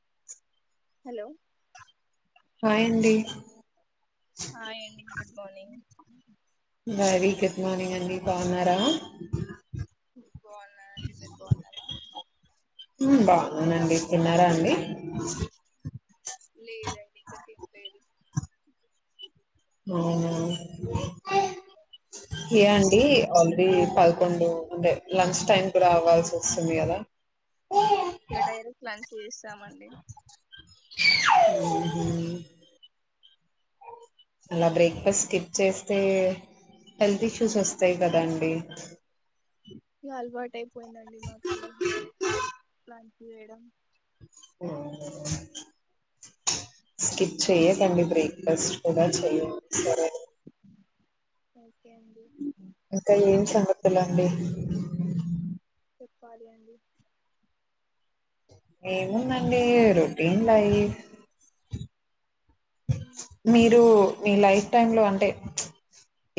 [unintelligible] Hello hi అండి ఆ ఏండి good morning very good morning అండి బాగున్నారా ఇ పోన్నన్న పోన్నద [inaudible] హ్మ్ బావున్నానండి తిన్నారా లేదండి ఇంకా తినలేదు అ ఏ అండి ఆల్రెడి పల్కొండు అంటే లంచ్ టైమ్ కి రావ్వాల్సి వస్తుంది కదా తీస్తామండి ఓహో అలా బ్రేక్ఫాస్ట్ స్కిప్ చేస్తే హెల్త్ ఇష్యూస్ వస్తాయి కదా అండి ఇ అలవాటు పోయిందండి మాకు డైరెక్ట్ స లాంక్ యూ మేడం స్కిప్ చెయకండి బ్రేక్ఫాస్ట్ [inaudible] సరే ఓకే అండి ఇంకా ఏం సంగతులండి చెప్పాలి అండి ఏముందండిరు [unintelligible] మీరు మీ లైఫ్ టైమ్ లో అంట అంటే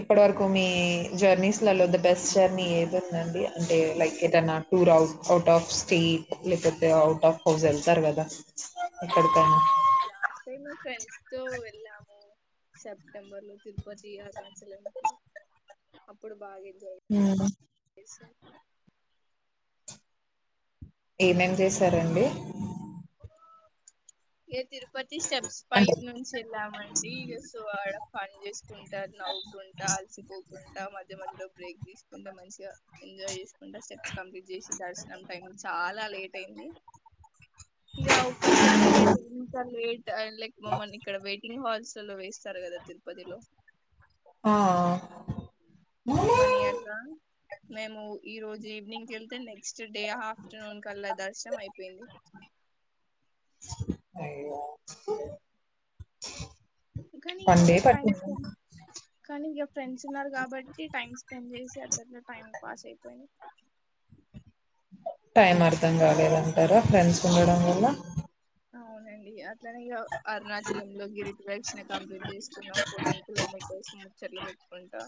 ఇప్పటి వరకు మీ జర్నీస్ లలో ద బస్ట్ జర్నీ అండి అంటే లైక్ ఏదైనా tour house out of state లేకపోతే అవుట్ ఆఫ్ హౌస్ వెళ్తారు కదా ఎక్కడకైన అవును లాస్ట్ టైం ఫ్రెండ్స్ తో వెళ్ళాము సెప్టెంబర్ లో తిరుపతి అరుణాచల అప్పుడు బాగాంది హ స ఏమేం చేసారండి ఏ తిరుపతి స్టెప్స్ అంటే బైక్ నుంచి వెళ్ళామండిస్వాడ [unintelligible] కుంట నవు కుంటా ఆల్సిపో కుంట మధ్య మధ్య బ్రేక్ తీసుకుంటే మంచిగా ఎంజాయ్ చేసుకుంటా స్టెప్స్ కంప్లీట్ చేసి దర్శనం టైం చాలా లేట్ అయింది ఇక అవకాశ ఇక్ అండి ఇంత లేట్ అండ్ లైక్ మమ్మల్ని ఇక్కడ వెయిటింగ్ హాల్స్ వేస్తారు కదా తిరుపతిలో ఆ మమ్మని అట్లా మేము ఈ రోజు ఈవినింగ్ వెళ్తే నెక్స్ట్ డే ఆఫ్టర్నూన్ కల్లా దర్శనం అయిపోయింది అ స [inaudible] కానీ ఇక టైం స్పెండ్ కానీ ఇంక ఫ్రెండ్స్ ఉన్నారు కాబట్టి టైం స్పెండ్ చేసి అతట్లో టైం పాసయిపోయి టైం అర్ధం కాలేదంటారా ఫ్రెండ్స్ ఉండడం వల్ల అవునండి అది అట్లానే అరుణాచల లో గిరిటి వేక్షణ కంప్లీట్ చేసుకున్నాం ఫోర్టీన్ కిలోమీటర్స్ ముచ్చట్లు పెట్టుకుంటా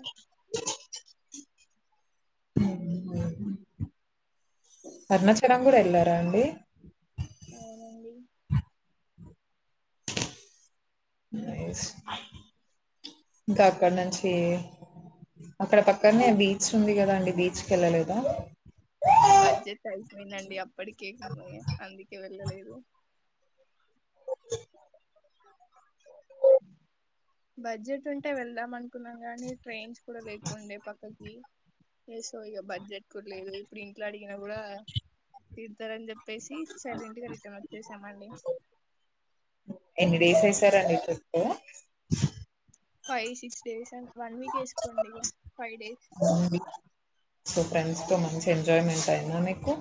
[inaudible] అణచ్చడ కూడ వెళ్ళారా అండి అవునండి ఇంకా అక్కడ నుంచి అక్కడ పక్కనే బీచ్ ఉంది కదా అండి బీచ్కి వెళ్ళలేదా బడ్జెట్ అయిపోయిందండి అ పటి కేకపోయ అందికి వెళ్ళలే [inaudible] [inaudible] బడ్జెట్ ఉంటే వెళ్దాం అనుకున్నాం కానీ ట్రైన్స్ కూడా లేకుండే పక్కకి ఏసో ఇక బడ్జెట్ కూడా లేదు ఇప్పుడు ఇంట్లో అడిగినా కూడా తీిరుతారని చె చెప్పేసి చెల్లి ఇంటికి రిటర్న్ వచ్చేసామండి ఎన్ని డేస్ అయిసారుండి ట్రిప్ ఫైవ్ సిక్స్ డేస్ అం వన్ వీక్ వేసుకోండి ఫైవ్ డేస్ సో ఫ్రెండ్స్ తో మంచి ఎంజాయ్మెంట్ అయినా మీకు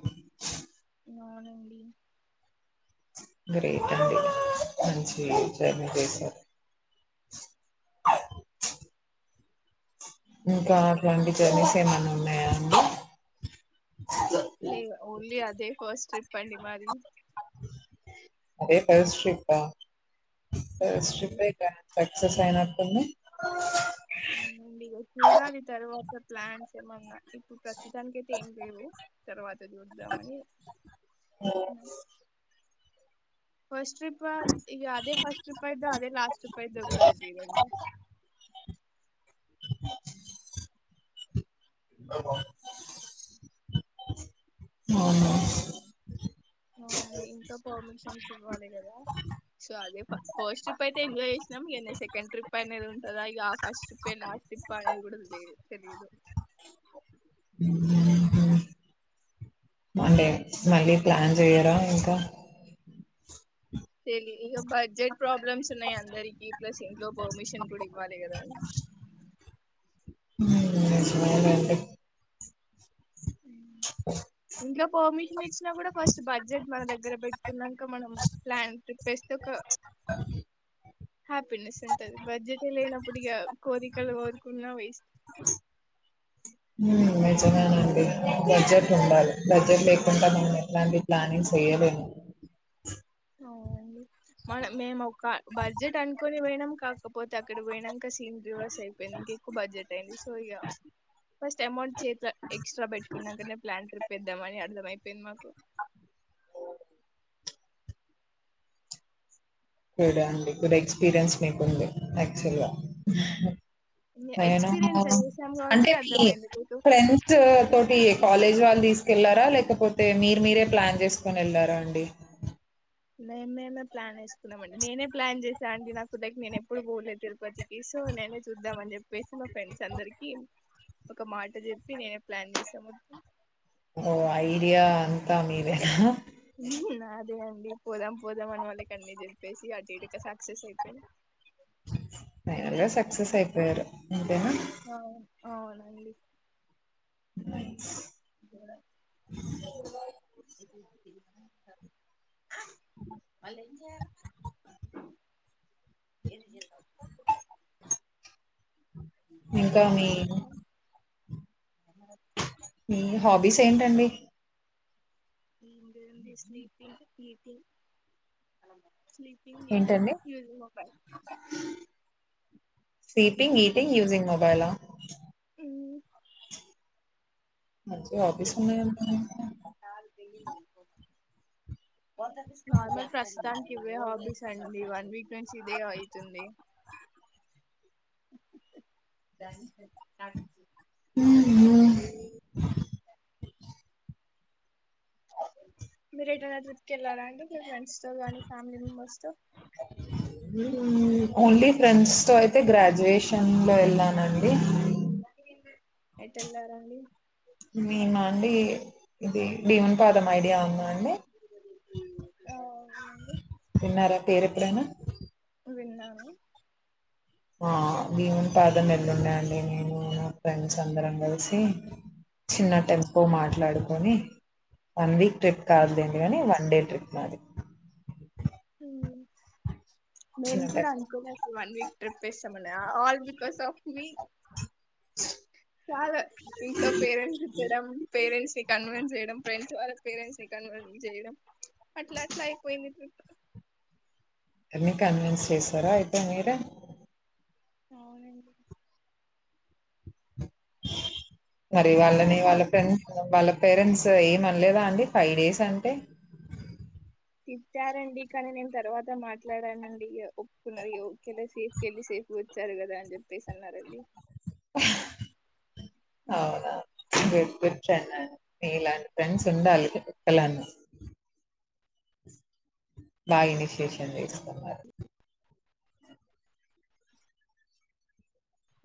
అవునండి గ్రేట్డి జయ మయ సార్ అ [unintelligible] ఇంకా అట్లాంటి జర్నీస్ ఏమన్నా ఉన్నాయా అండి లే ఓన్లీ అది అదే ఫస్ట్ ట్రిప్ అండి మాది అదే ఫస్ట్ ట్రిపా ఫస్ట్ అవునండి ట్రిప్ అయితాది ఎక్సెస్ అయినతుంది అండి చూడాల తరువాత ప్లాన్స్ ఏమన్నా ఇప్పుడు ప్రస్తుతానికి అయితే ఏం లేవు తర్వాత చూద్దామని అ ఫస్ట్ ట్రిప్ది ఇ అదే ఫస్ట్ అయితాది అదే రాఫ [unintelligible] ుప్పద్దో [unintelligible] కూడా తెలియదండి అ [unintelligible] [unintelligible] అవును అవునండి ఇంట్లో పర్మిషన్స్ ఇవ్వాలి కదా సో అదే ఫస్ట్ ట్రిప్ అయితే ఎంజాయ్ చేసినాం సెకండ్ ట్రిప్ అనేది ఉంటందా ఇక ఆ ఫస్ట్ ట్రిప్ ఏ లాస్ట్ ట్రిప్ అనేది కూడా తెలియ తెలీదు మండే మళ్ళీ ప్లాన్ చేయరా ఇంకా తెలి ఇంక బడ్జెట్ ప్రాబ్లమ్స్ ఉన్నాయి అందరికీ ప్లస్ ఇంట్లో పర్మిషన్ కూడ ఇవ్ ఇవ్వాలి కదా హ్మ్ సరే అండి ఇంట్లో పర్మిషన్ ఇచ్చినా కూడా ఫస్ట్ బడ్జెట్ మన దగ్గర పెట్టుకున్నాక మనం ప్లాన్ ట్రిప్ వేస్తే ఒక హ్యాపీనెస్ ఉంటది బడ్జెటే లేనప్పుడు ఇక కోరికలు కోరుకున్నా వేస్ట్ హ్మ్ నిజమే నండి బడ్జెట్ ఉండాలి బడ్జెట్ లేకుండా మనము ఎట్లాంటి ప్లానింగ్ చెయ్యలేము మనం మేము ఒక బడ్జెట్ అనుకుని పోయినము కాక పోతే అక్కడ పోయినాక సీన్ రీవర్స్ అయిపోయింది ఇంక ఎక్కువ బడ్జెట్ అయింది సో ఇగ ఫస్ట్ అమౌంట్ చేతిలో ఎక్స్ట్రా పెట్టుకున్నాకనే ప్లాన్ ట్రి పెద్దామని అర్ధంమయిపోయింది మాకు ఓ హో కూడా అండి గుడ్ ఎక్స్పీరియన్స్ మీకుంది యాక్చువల్ గా ఎక్స్పీరియన్స్ చేసాం కాబట్టి అంటే మీ అర్థమైంది లేక ఫ్రెండ్స్ తోటి కాలేజ్ వాళ్ళు తీసుకెళ్లారా లేకపోతే మీరు మీరే ప్లాన్ చేసుకొని వెళ్లారా అండి మేము మేమే ప్లాన్ వేసుకున్నామ అండి నేనే ప్లాన్ చేసాను అండి నా కు దగ్గ నేను ఎప్పుడు పోలేదు తిరుపతికి సో నేనే చూద్దాం అని చెప్పేసి మా ఫ్రెండ్స్ అందరికి ఒక మాట చెప్పి నేనే ప్లాన్ చేసాం ఓ ఆ ఏరియా అంతా మీదేనా అదే అండి పోదాం పోదాం అని వాళ్ళ కన్నీ చెప్పేసి అటు ఇటుక సా ఫైనల్గా సక్సెస్ అయిపోయారు అంతేనా అవును అవునండి అ ఇ అలి వాళ్ళు ఏంచెయ్యాల ఎన్ని చేతవ్ ఇంకా మీ చెప్పండి మీ హాబీస్ ఏంటండి ఏం లేదండి స్లీపింగ్ ఈటింగ్ స్లీపింగ్ ఈటింగ్ ఏంటండి? స్లీపింగ్ ఈటింగ్ యూజింగ్ మొబైల్ ఆ మంచి హాబీస్ ఉన్నాయండీ నార్మల్ ప్రస్తుతానికి ఇవే హాబీస్ అండి వన్ వీక్ నుంచి ఇదే అయ్యితంది [unintelligible] హుహు. [inaudible] మీరూ ఎటైనా ట్రిప్కి వెళ్లారండి మీ ఫ్రెండ్స్? సో కానీ ఫ్యామిలీ మెంబెర్స్ తో? ఉమ్ ఓన్లీ ఫ్రెండ్స్ తో అయితే గ్రాడ్యుయేషన్ లో వెళ్ళానండి. ఎటు వెళ్లారండి? మేమ అండి ఇది భీమ్ పాదం ఐడియా ఉంద అండి? ఉమ్ ఆ విన్నారా పేరు ఎప్పుడైనా? విన్నాను ఆ భీమ్ పాదం ఎల్లుండే అండి నేను నా ఫ్రెండ్స్ అందరం కలిసి, చిన్న టెంపో మాట్లాడుకొని వన్ వీక్ ట్రిప్ కాదులేండి కాని వన్ డే ట్రిప్ మాది. నేను చిన్న కూడా టెంపో అనుకోలే అప్పుడు వన్ వీక్ ట్రిప్ వేస్తామని ఆల్ బికాస్ ఆఫ్ మీ [inaudible] చాలా ఇంట్లో పేరెంట్స్ తీట్టడం పేరెంట్స్ ని కన్విన్స్ చేయడం ఫ్రెండ్స్ వాళ్ళ పేరెంట్స్ ని కన్విన్స్ చేయ్యడం అట్లా అట్లా అయిపోయింది ట్రిప్. అన్ని కన్విన్స్ చేశారా అయితే మీరు అవునండి మరి వాళ్ళని వాళ్ళ ఫ్రెండ్స్ వాళ్ళ పేరెంట్స్ ఏమనలేదా అండి ఫైవ్ డేస్ అంటే? తిట్టారండి కానీ నేను తర్వాత మాట్లాడానండి. ఒప్పుకునది ఒకేలే సేఫ్ ఎల్లీ సేఫ్గా వచ్చారు కదా అని చెప్పేసి అన్నారండి. అవునా గుడ్ గుడ్ [unintelligible] మీలాంటి ఫ్రెండ్స్ ఉండాలి ఒకలాన. బాగ ఇనిషేషన్ తీసుకున్నారు.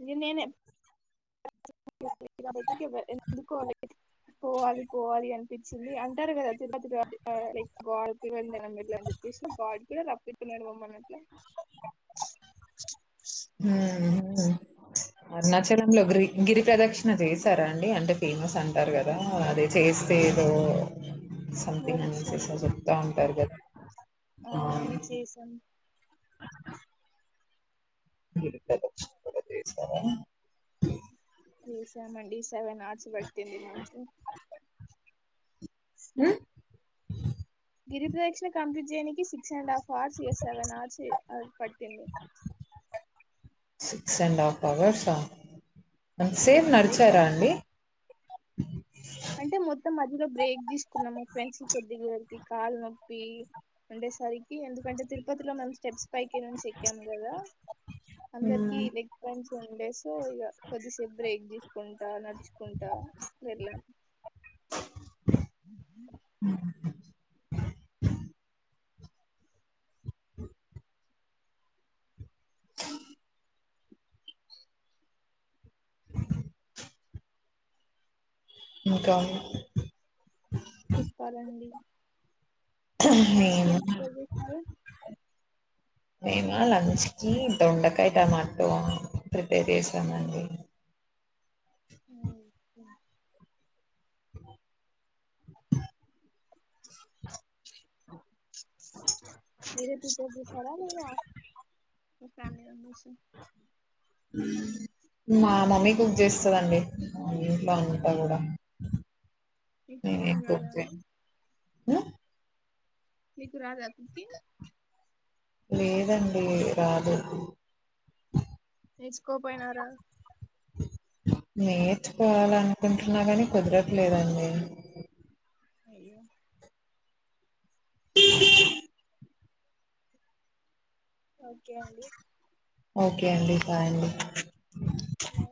అది నేనే [unintelligible] [unintelligible] అందుకు అనేది పోవాలి పోవాలి అనిపించింది అంటారు కదా తిరుపతి గాడ్ ఆ లైక్ గాడ్ పిలువదే [unintelligible] అని చెప్పేసి, గాడ్ కూడా రప్పిస్తున్నాడు మమల్ని అట్లా. ఉమ్ ఉమ్ అరుణాచలంలో గ్రీ గిరి ప్రదక్షిణ చేసారా అండి? అంటే ఫేమస్ అంటారు కదా అదే చేస్తే ఏదో సంథింగ్ అనేసి మోక్షం స చెప్తా కలుగుతున్నాడు ఉంటారు కదా హ అవునండి చేసాం గిరి ప్రదర్శన కూడా చేశావా? చేశానండి సెవెన్ హార్స్ పాట్ [unintelligible] నాకు ఉమ్ గిరిపదక్షిణ కంప్లీట్ చేయనికి సిక్స్ అండ్ హాఫ్ అవర్స్ ఇయస్ సెవెన్ ఆవర్స్ పట్టింది. సిక్స్ అండ్ హాఫ్ అవర్స్ హా అంతాసేప్ లైక్ మా నడిచారా అండి? ఫ్రెండ్షిప్ కొద్దీ వాడికి కాలు నొప్పి ఉండేసరికి ఎందుకంటే తిరుపతిలో మనం స్టెప్స్ పైకి నుంచి ఎక్కాం కదా అందరికి హ్మ్. Leg pains ten days so ఇగ కొద్దిసేపు బ్రేక్ తీసుకుంటా నడుచుకుంటా వెల్లాం ఇంకా అండి చెప్పాలండి లంచ్ కి ఏం మేము ప్రిపేర్ చేసినారు మేమా లంచ్ కి దొండకై టమాటో ప్రిపేర్ చేసామండి [inaudible] మీరే ప్రిపేర్ చేస్తారా లేద మీ ఫ్యామిలీ మెంబర్సా మా మమ్మీ కుక్ చేస్తదండి ఇంట్లో అంతా కూడా మీకు నేను కుకింగ్ రాదా కుక్ అండి చేయను ఉ మీకు రాదా కుకింగ్ లేదండి రాదు నేర్చుకోపోయినారా నేర్చుకోవాలనుకుంటున్నా కాని కుదరట్లేదండి అయ్యో ఓకే అండి ఓకే అండి బాయ్ అండి లేదు